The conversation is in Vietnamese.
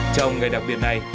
trong ngày đặc biệt này